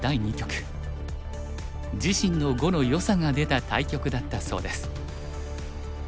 自身の碁のよさが出た対局だったそうです。